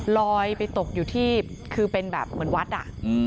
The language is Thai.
ลอยไปตกอยู่ที่คือเป็นแบบเหมือนวัดอ่ะ